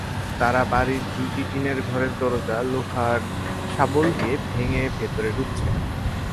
তারা বাড়ির দুটি টিনের ঘরের দরজা লোহার শাবল দিয়ে ভেঙে ভেতরে ঢুকে।